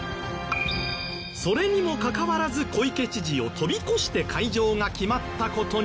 それにもかかわらず小池知事を飛び越して会場が決まった事に対し。